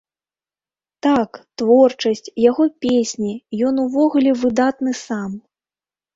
Так, творчасць, яго песні, ён увогуле выдатны сам!